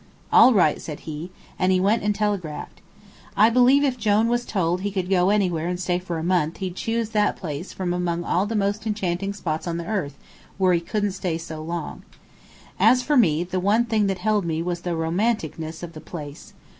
"All right," said he, and he went and telegraphed. I believe if Jone was told he could go anywhere and stay for a month he'd choose that place from among all the most enchanting spots on the earth where he couldn't stay so long. As for me, the one thing that held me was the romanticness of the place.